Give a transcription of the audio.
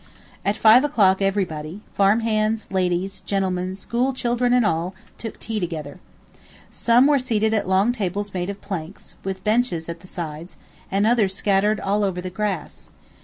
At five o'clock everybody farm hands, ladies, gentlemen, school children, and all took tea together. Some were seated at long tables made of planks, with benches at the sides, and others scattered all over the grass.